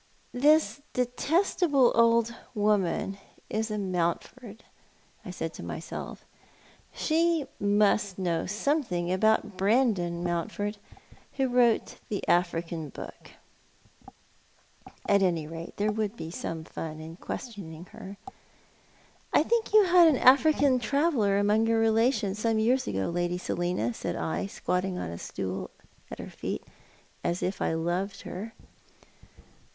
" This detestable old woman is a Mountford," I said to myself. " She must know something about Brandon Mount ford, who wrote the African book." At any rate there would be some fun in qiaestioning her. " I think you had an African traveller among your relations some years ago, Lady Selina," said I, squatting on a stool at her feet, as if I loved her.